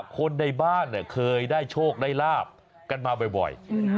คนในบ้านเคยได้โชคได้ลาบกันมาบ่อย